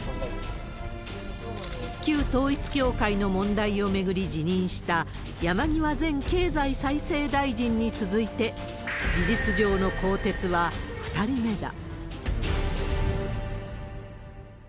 旧統一教会の問題を巡り辞任した山際前経済再生大臣に続いて、事実上の更迭は２人目だ。